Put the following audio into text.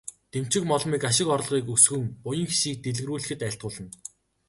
Дэмчигмоломыг ашиг орлогыг өсгөн, буян хишгийг дэлгэрүүлэхэд айлтгуулна.